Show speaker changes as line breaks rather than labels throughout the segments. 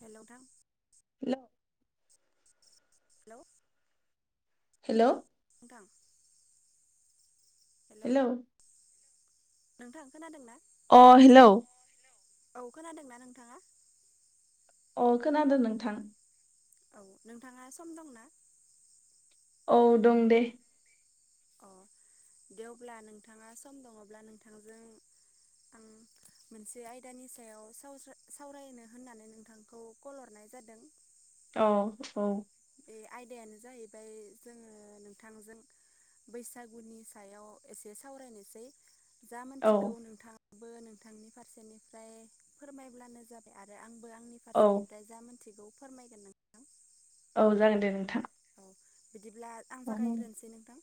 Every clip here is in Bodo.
हेल नोंथां।
हेल'
[inaudible]
हेल'।
[unintelligible]
हेल'
नोंथांआ खोनादोंना?
अ हेल'
औ खोनादोंना नोंथाङा?
अ खोनादों नोंथां।
औ, नोंथाङा सम दंना?
औ दं दे।
अ दे अब्ला नोंथाङा सम दङब्ला नोंथांजों आं मोनसे आयदानि सायाव सावज। ‍ सावरायनो होननानै नोंथांखौ कल हरनाय नाय जादों।
अ औ।
बे आयदायानो जाहैबाय जोङो नोंथांजों बैसागुनि सायाव एसे सावरायनोसै। जा
औ
मोनथिगौ नोंथाङाबो नोंथांनि फारसेनिफ्राय फोरमायब्लानो जाबाय आरो आं आंबो आंनि
औ
फारसेनिफ्राय जा मिथिगौ फोरमायगोन नोंथां।
औ जागोन दे नोंथां।
औ बिदिब्ला आं
औ
जागायग्रोनोसै नोंथां।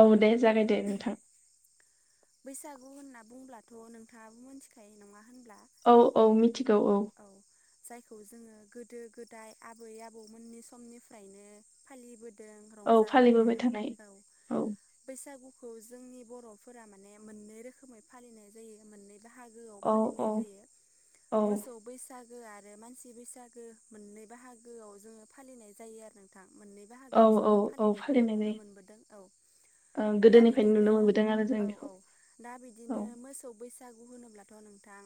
औ दे जागाय दे नोंथां।
बैसागु होनना बुंब्लाथ' नोंथाङाबो मिथिखायो नङा होनब्ला?
औ औ मिथिगौ औ।
जायखौ जोङो गोदो गोदाय आबै आबौमोननि समनिफ्रायनो फालिबोदों।
औ फालिबोबाय थानाय
रंजाबोदों
औ
बैसागु। खौ जोंनि बर'फोरा माने मोननै रोखोमै फालिनाय जायो मोनै बाहागोआव
औ औ
फालिनाय जायो।
औ
मोसौ बैसाग गो आरो मानसि बैसागो मोननै बाहागोआव जोङो फालिनाय जायो आरो नोंथां। मोननै
औ
बाहागोआव
औ
जोङो
औ
फालिनायखौ
फालिनाय
नुनो
जायो
मोनबोदों औ।
ओ
दा
गोदोनिफ्रायनो नुनो
बिदिनो
मोनबोदों आरो जों
औ
बेखौ
औ दा
औ
बिदिनो मोसौ बैसो गु होनोब्लाथ नोंथां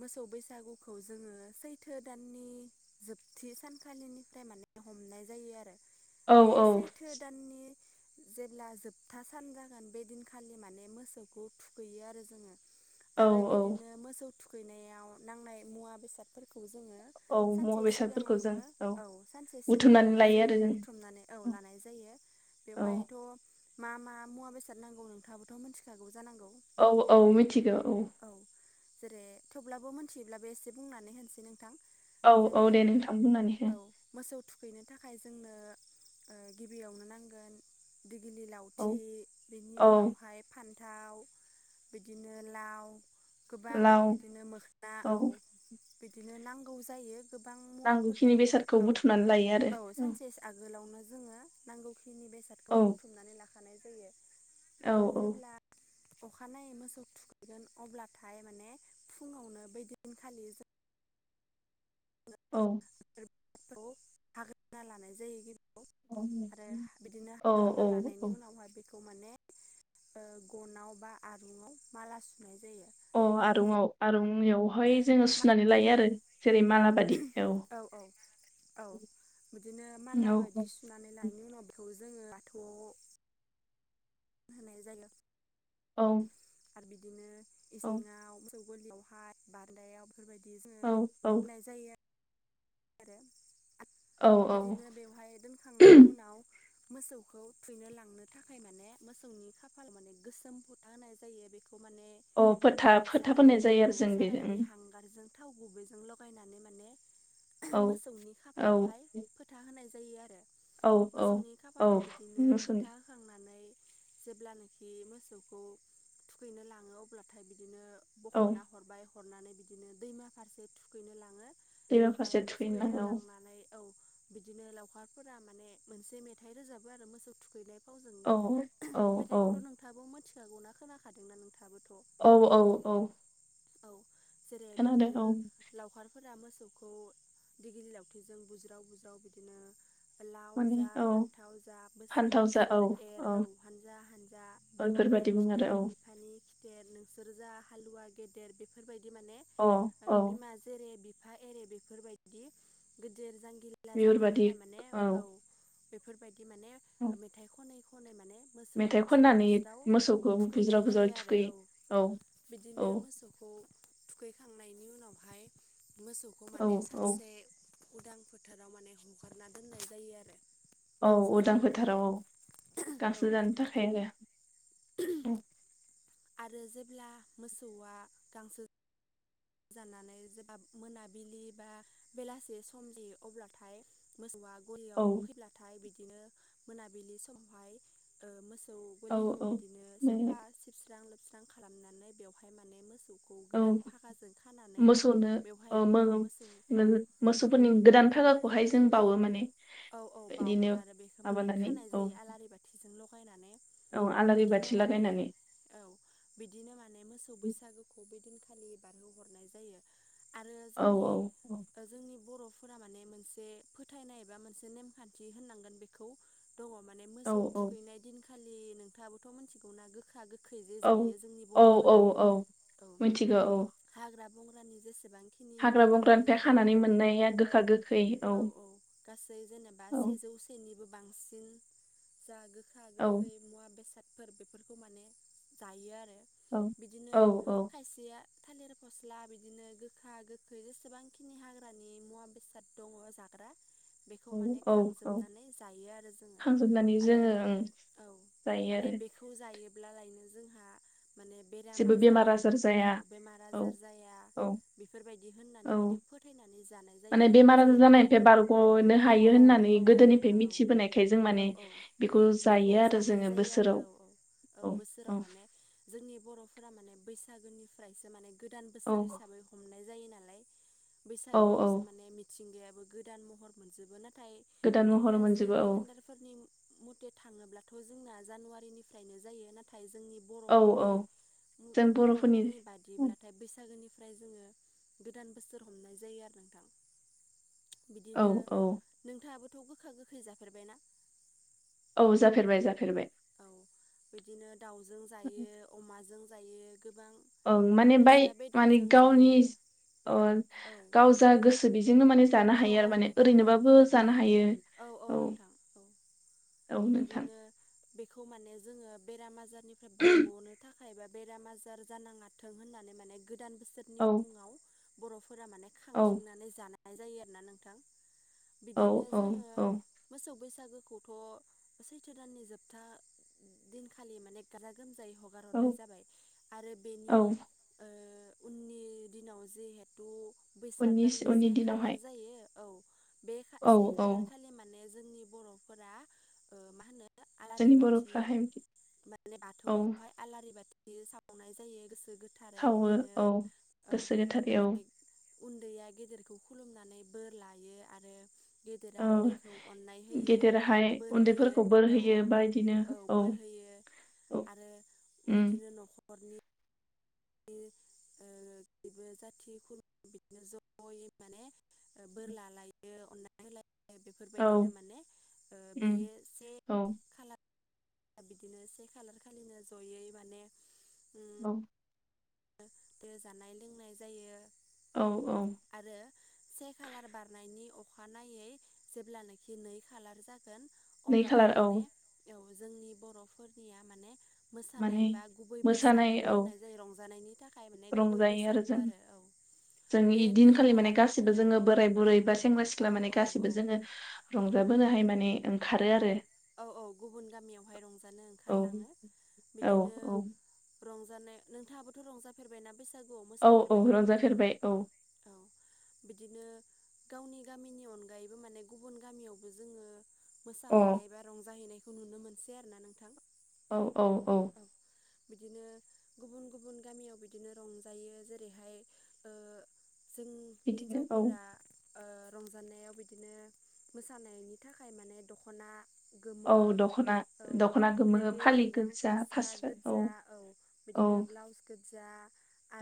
मोसौ बैसागु खौ जोङो सैथो दाननि जोबथि सानखालिनिफ्राय माने हमनाय जायो आरो।
औ
बे
औ
सैथो दाननि जेब्ला जोबथा सान जागोन बे दिनखालि माने मोसौखौ थुखैयो आरो जोङो।
औ
आरो
औ
बिदिनो मोसौ थुखैनायाव नांनाय मुवा बेसादफोरखौ जोङो
औ मुवा
सानसे
बेसादफोरखौ जों
सिगाङावनो औ सानसे
बुथुमनानै
सिगाङावनो
लायो आरो
जोङो
जों
बुथुमनानै औ लानाय जायो।
औ
बेवहायथ' मा मा मुवा बेसाद नांगौ नोंथाङाबोथ' मिथिखागौ। जानांगौ
औ औ मिथिगौ औ।
जेरै थेवब्लाबो मोनथियोब्लाबो एसे बुंनानै होनसै नोंथां।
औ औ
जेरै
दे नोंथां बुंनानै हो।
फैनो थाखाय जोंनो ओ गिबियावनो नांगोन दिगिलि
औ
लावथि बिनि
औ
उनावहाय फान थाव बिदिनो लाव गोबां
लाव
बिदिनो मोखोना औ। बिदिनो नांगौ जायो। गोबां
नांगौखिनि
मुवाफोरखौनो
बेसादखौ
औ
बुथुमनानै लायो
औ
आरो
सानसे आगोलावनो जोङो नांगौ। खिनि बेसादखौ
औ
बुथुमनानै लाखानाय जायो
औ
आरो जेब्ला अखानायै मोसौ थुखैगोन अब्लाथाय माने फुङावनो बै दिनखालि जों
औ।
जों खौ हाग्रा लानाय जायो। खौ आरो
औ
बिदिनो
औ
हाखांना
औ
लानायनि
औ
उनावहाय बेख खौ माने गनाव बा आरुंआव‌ माला सुनाय जायो।
अ
बिदिनो
आरुआव आरुयियावहाय जोङो सुनानै लायो आरो जेरै मालाब बाददि औ।
औ बिदिनो माला बायदि
औ
सुनानै लानायनि उनाव बेखौ जोङो बाथौआव होनाय जायो।
औ।
आरो बिदिनो
औ
इसिङाव मोसौ गलियावहाय बारदायाव बेफोरबायदि जोङो होनाय जायो। आरो
औ औ
बिदिनो बेवहाय दोनखांनायनि उनाव मोसौखौ थुइनो लांनो थाखाय माने मोसौनि खाफाल माने गोसोम फुथा होनाय जायो बे खौ माने
अ फोथा फोथा फोननाय
सारायनि
जायो आरो
औ
जों बेजों
सारायनि हांगारजों थाव गुबैजों लगायनानै माने
औ
मोसौनि
औ।
खाफालावहाय फोथा होनाय जायो आरो
औ औ
मोसौनि
औ
खाफालाव बिदिनो
मोसौनि
फोथा होखांनानै जेब्लानाखि मोसौखौ थुखैनो लाङो अब्लाथाय बिदिनो
औ
बख'ना हरबाय हरनानै बिदिनो दैमा फारसे थुखैनो लाङो।
बेरा
बेवहाय
फारसे थुखैनो नांगौ
लांनानै औ बिदिनो लावखारफोरा माने मोनसे मेथाइ रोजाबो आरो मोसौ थुखैनाय
औ
फावजोंनो
[unintelligible] औ औ
मोनथि खोनाखादोंना नोंथाङाबोथ'
औ औ औ
औ जेरै
खोनादों
बिदिनो
औ
लावखार फोर मोसौखौ दिडग्लि लावथिजों बुज्राव बुज्राव बिदिनो लाव
माने
जा
औ
फान्थाव जा बोसोर
फान्थाव जा औ
बोसोर एर औ हानजा हानजा
बेबायाददि बुङो आरो
खिथेर
औ
बिफानि नोंसोर जा हालुवा गेदेर बेफोरबायदि माने
औ औ
बिमा जेरै एफा एरे बेफोरबायदि गिदेर जांगिला जानो
बेफोरबायदि
थाखाय माने औ बेफोरबायदि
औ मेथाइ
मोसौखौ बुज्राव
खननानै
बुज्राव औ
मोसौखौ बुज्रा
थुखैनाय
बुज्र
जायो आरो
थुखैयो औ औ
बिदिनो मोसौखौ थुखैखांनायनि उनावहाय मोसौखौ
औ
माने
औ
सानसे उदां फो फोथाराव माने हखारना दोननाय जायो आरो
औ
गांसो
उदां
जानो
फोथाराव
थाखाय
औ
औ
गांसो जानो थाखाय आरो औ [unintelligible]
आरो जेब्ला मोसौआ गांसो जानानै जेबा मोनाबिलि बा बेलासि समनि अब्लाथाय मोसौआ
औ
गलियाव फैब्लाथाय बिदिनो मोनाबिलि समावहाय [unintelligible] मो मोसौ
औ
गलिखौ
औ
बिदिनो साफा सिबस्रां लोबस्रां खालामनानै बेवहाय माने मोसौ खौ
औ
गोदान भाखाजों
मोसौनो
मोसौखौ
[unintelligible] मोसौफोरनि गोदान थाखाखौहाय जों बावो माने
औ औ बावो
बिदिनो
आरो बेखौ माने
माबानानै
खानाय
औ
जायो आलारि बाथिजों ल
औ आलारि बाथि
बिदिनो माने
लागायनानै
औ बिदिनो माने मोसौ बैसागुखौ बिदिनखालि लि बारहरनाय जायो आरो
औ
जोंनि
औ औ
जोंनि बर फोर माने मोनसे फोथायनाय एबा मोनसे नेमखान्थि होननांगोन बेखौ दङ माने
औ
मोसौ
औ
थुखैनाय दिनखालि नोंथाङाबोथ' मिथिगौना गोखा गोखै खै जे
औ
जायो जोंनि
औ औ
बर'फोरा
औ
औ
मिथिगौ औ
हाग्रा बंग्रानि जे
हाग्रा बंग्रानिफ्राय खानानै मोननाया
औ
गोखा गोखै औ
गासै जेनेबा
औ
सेजौसेनिबो बांसिन जा गोखा
औ
गोखै मुवा बेसाद फोर बेफोरखौ माने जायो आरो
औ
बिदिनो
औ औ
खायसेया थालिर फस्ला बिदिनो गोखा गोखै जेसेबांखिनि हाग्रानि मुवा बेसाद दङो जाग्रा बेखौ माने
औ औ औ
खांजोबनानै जायो आरो जोङो
खांजोबनानै
आरो
जोङो ओं
औ
जायो
माने
आरो
बेखौ जायोब्लालायनो जोंहा माने बेराम
जेबो
आजार
बेमार
औ
जाया
बेमार
औ
आजार जाया
औ
बेफोरबायदि होननानै
औ
माने फोथायनानै जानाय जायो
माने
आरो
बेमार आजार
जिहेथु
जानायनिफ्राय बारग'नो
अ
हायो
औ
होननानै
औ औ
गोदोनिफ्राय
नोंथां औ
मिनथिबोनायखाय जों
औ
माने
औ
बेखौ जायो आरो जोङो
जायो औ
बोसोराव
औ औ बोसोराव माने जोंनि बर'फोरा माने बैसागोनिफ्रायसो माने गोदान बोसोर
औ
हिसाबै हमनाय जायो नालाय
औ औ
बैसागोआवसो माने मिथिंगायाबो गोदान महर मोनजोबो नालाय नाथाय
गोदान महर
इंराजि
मोनजोबो औ
केलेन्डारफोरनि मथे थाङोब्ला थ' जोंना जानुवारिनिफ्रायनो जायो नाथाय जों
औ औ
बरनि बर'फोरनि बादिब्लाथाय बैसागोनि ओमफ्राय जोङो गोदान बोसोर हमनाय जायो आरो नोंथां।
औ
बिदिनो
औ
नोंथाङाबोथ' गोखा गोखै जाफेरबायना?
औ जाफेरबाय जाफेरबाय।
औ बिदिनो दाउजों जायो अमाजों जायो गोबां
ओं माने बाय
खायसेया
माने
बेदरजों
गावनि
जायो
अ
औ
गाव जा गोसो बेजोंनो माने
औ
हायो
औ
आरो माने
नोंथां औ
ओरैनोबाबो
औ
जानो हायो औ। औ नोंथां
बिदिनो बेखौ माने जोङो बेराम आजारनिफ्राय बारग'नो थाखाय बा बेराम आजार जानाङाथों होननानै माने गोदान बोसोरनि
औ
मुङाव बर' फोरा माने
औ
खांथिंनानै जानाय जायो आरो ना नोंथां।
औ
बिदिनो
औ
जोङो
औ
मोसौ बैसागोखौथ' सैथो दाननि जोबथा दिनखालि माने गाजा गोमजायै हगार
औ
हरनाय जाबाय आरो बेनि
औ
ओ उननि दिनाव जिहेथु बैसाग
उननि
दाननिसे
उननि
खालार
दिनावहाय
जायो औ। बे
औ
से
औ
खालार खालि माने जोंनि बर'फोरा मा होनो आलारि
जोंनि
बाथि
बर'फ्राहाय बिदि
माने
औ
बाथौआवहाय आलारि बाथि सावनाय जायो गोसो गोथारै
सावो
बिदिनो
औ
औ
गोसो गोथारै औ
माने उन्दैया गेदेरखौ खुलुमनानै बोर लायो आरो गेदेरा
औ
उन्दैखौ अन्नाय होयो बा
गेदेराहाय
बोर होयो
उन्दैफोरखौ बोर
औ
होयो
औ
बा इदिनो
औ बोर होयो।
औ
आरो
उम
बिदिनो न'खरनि बे बयबो जाथि खुरमा बिदिनो जयै माने बोर लालायो अननाय होलाय
औ
बेफोरबायदिनो माने बे
उम
से
औ
खालार बिदिनो से खालार खालिनो जयै माने
औ।
बे जानाय लोंनाय जायो
औ औ
आरो से खालार बारनायनि अ अखानायै जेब्लानाखि नै खालार जागोन
नै
अब्लाथाय
खालार औ
माने जोंनि बर'फोरनिया माने मोसानाय
माने
बा गुबै
मोसानाय
बैसागु
औ
होननाय जायो रंजानाय बिनि थाखाय माने गुबै
रंजायो
बैसागु
जों
आरो औ
जों
बे नै
इदिनखालि माने
खालार
गासिबो
औ
जोङो बोराय बुरै बा सेंग्रा
औ
सिख्ला माने
औ औ
गासिबो जोङो
औ
रंजा जोंङोहाय माने ओंखारो आरो
औ औ गुबुन गामियावहाय रंजानो
औ
ओंखारलाङो
औ
बिदिनो
औ
रंजानाय नोंथाङाबोथ' रंजाफेरबायना बैसागु बैसागुआव
औ औ
मोसाफेरबाय
रंजाफेरबाय औ
औ बिदिनो गावनि गामिनि अनगायैबो माने गुबुन गामियावबो जोङो
अ
मोसाहैनाय नायखौ नुनो मोनसै आरो ना नोंथां
औ औ औ
बिदिनो गुबुन गुबुन गामियाव बिदिनो रंजायो जेरैहाय जों
बिदिनो औ
हिन्जावफोरा रंजानायाव बिदिनो मोसानायनि थाखाय माने दख'ना गोमो
औ दख'ना
औ
दख'ना गोमो
रेगे
फालि
रेगां
गोजा
फास्रा गोजा औ
औ
बिदिनो ब्लाउस गोजा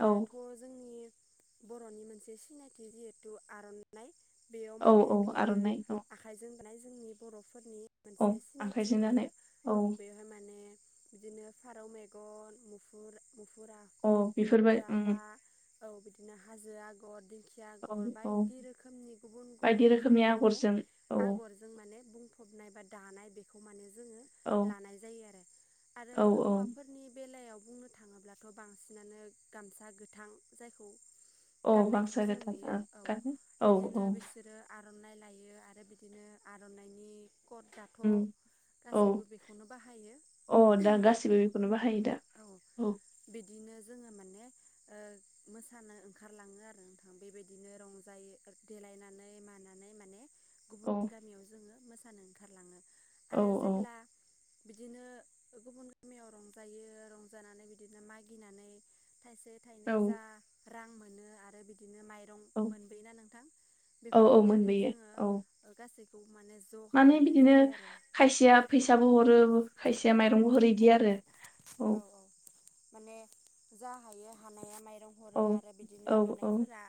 औ
जोंनि बर'नि मोनसे सिनायथि जिहेथु आर'नाइ बेयाव
औ
माने
औ
बिदिनो
आर'नाइ औ
आखाइजों दानाय जोंनि बर'फोरनि
औ
मोनसे सिनायथि
आखाइजों
बियो
दानाय
औ बेवहाय माने बिदिनो फारौ मेगन, मुफुर मुफुरा
औ बेफोरबाय
मुफुर
उम
आफा औ बिदिनो हाजो आगर दिं दिंखिया
औ
आगर
औ
बायदि रोखोमनि गुबुन गुबुन
बायदि
रोखोमनि माने
आगरजों औ
आगरजों माने बुंफ बनाय बा दानाय बेखौ माने जोंङो
औ
लानाय जायो आरो
औ औ
हौवाफोरनि बेलायाव बुंनो थाङोब्लाथ' बांसिनानो गामसा गोथां जायखौ
औ
गाननायखौ
गामसा
जों नुयो औ
गोथां ओं औ
बिदिनो
औ।
बिसोरो आर'नाइ लायो आरो बिदिनो आर'नाइनि कट दाथ'
उम औ
गासैबो बेखौनो बाहायो
औ दा गासिबो बेखौनो बाहायो दा औ
बिदिनो जोङो माने ओ मोसानो ओंखारलांङो आरो नोंथां बेबायदिनो रंजायो। देलायनानै मानानै माने
औ
गुबुन गामियाव जोङो मोसानो ओंखारलाङो
औ
आरो जेब्ला बिदिनो गुबुन गामियाव रंजायो रंजानानै बिदिनो मागिनानै थाइसे थाइनै
औ
जा रां मोनो आरो बिदि बिदिनो माइरं
औ
मोनबोयोना नोंथां
औ
बेफोरखौ
औ
माने
मोनबोयो
जोङो
औ
गासैखौबो माने ज'
माने
खालामनाय
बिदिनो
जायो आरो
खायसेया फैसाबो हरो खायसेया
औ औ
माइरंबो हरो इदि
नोंथां
आरो।
औ औ माने जा हायो हानाया माइरं
औ
हरो आरो
औ
बिदिनो हानायफोरा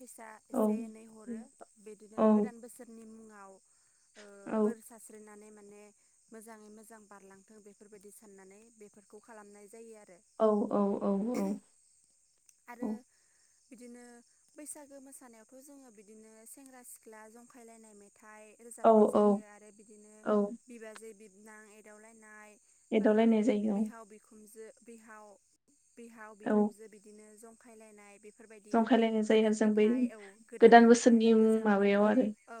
फैसा
औ
एसे एनै हरो
औ
बिदिनो गोदान बोसोरनि मुङाव ओ
औ
बोर सारास्रिनानै माने माने मोजाङै मोजां बारलांथों बेफोरबायदि साननानै बेफोरखौ खालामनाय जायो आरो।
औ औ औ औ
आरो
औ।
बिदिनो बैसागो मोसानायावथ' जोङो बिदिनो सेंग्रा सिख्ला जंखायलायनाय मेथाइ
औ
बिनाय जायो
औ
आरो बिदिनो
औ
बिबाजै बिबोनां एदावलायनाय बा
एदावलायनाय जायो
बिहाव बिखुनजो बिहाव बिहाव
औ
बिहामजो बिदिनो जंखायलायनाय बेफोरबायदि
जंखायलायनाय जायो आरो
गोदान
जों बै
मेथाइ औ गोदान
बोसोरनि
मेथाइ गोजाम
माबायाव
मेथाइ
आरो
औ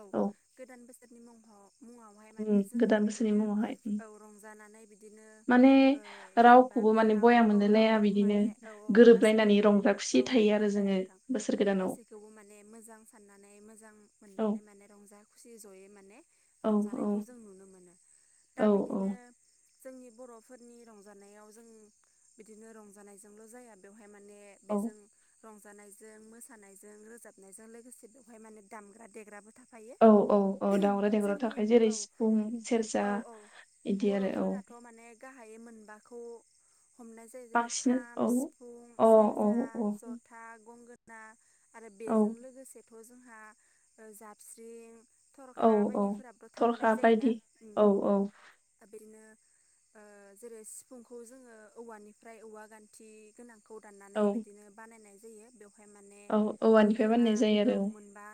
गोदान बोसो रनि मुं मुङावहाय माने
उम
जोङो
गोदान बोसोरनि
बिदिनो
मुङावहाय उम
औ रंजानानै बिदिनो ओ जेनेबा
खौबो माने
बिहाव
बया
औ
मोनलायलाया
रावखौबो
बिदिनो
माने औ औ
गोरोबलायनानै
गासैखौबो
रंजा
औ
खुसि
औ
थायो आरो
नंगौ
जोङो
नोंथां
बोसोर गोदान
गासैखौबो माने मोजां साननानै मोजां
औ
मोननानै माने रंजा खुसि ज'यै माने
औ
रंजानायखौ
औ
जों नुनो मोनो दा
औ
बिदिनो जोंनि बर'फोरनि रंजानायाव जों बिदिनो रंजानायजोंल' जाया बेवहाय बेहाय माने बेजों रंजानायजों मोसानायजों रोजाबनायजों लोगोसे बेवहाय माने दामग्रा देग्राबो थाब
औ औ। औ दामग्रा देंग्रा थाखाय जेरै
औ
सिफुं सेरजा
औ
बिदि आरो औ।
हायोम मोनबाखौ हमनाय जायो जेरै
बांसिन
खाम,
औ
सिफुं,
अ औ
सेरजा,
औ
जथा, गंगोना, आरो
औ
बेजों लोगोसेथ' जोंहा जाबस्रिं
औ
थरखा
औ
बायदिफोराबोथ' थाफानाय
थरखा
जायोना
बायदि औ औ
आरो बिदिनो। ओ जेरै सिफुंखौ जोङो औवानिफ्राय औवा गान्थि गोनां खौ
औ
दाननानै बिदिनो बानायनाय जायो बेव बेहाय माने
औ औवानिफ्राय
गुदुङा
बानायनाय जायो
औ
आरो
मोनबा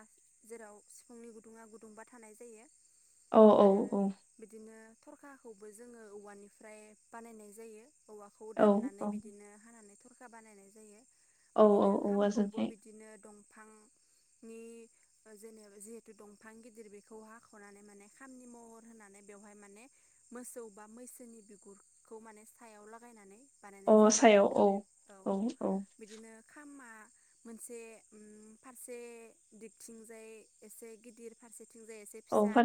जेराव सिफुंनि गुदुङा गु दुंबा थानाय जायो
औ
आरो
औ
बिदिनो थरखाखौबो जोङो औवानिफ्राय बानायनाय जायो। औवाखौ
औ
दाननानै
औ
बिदिनो हानानै थरखा बानायनाय जायो।
औ
बिदिनो
औ
ओंखामखौबो
औवाजोंहाय
बिदिनो दं। बिफांनि जेनेबा जिहेतु दंफां। बिफां गिदिर बेखौ हाख'नानै माने खामानि महर होनानै बेवहाय माने मोसौ बा मैसोनि बिगुरखौ माने सायाव लागायनानै
अ
बानायनाय जायो आरो
सायाव
नोथां
औ
औ औ बिदिनो खामा मोनसे फारसे दिगथिंजाय एसे गिदिर फारसे थिंजाय एसे
औ
फिसा
फारसे